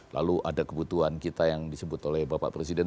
lalu ada kebutuhan kita yang disebut oleh bapak presiden